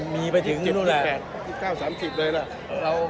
มีไปถึงนู่นแหละ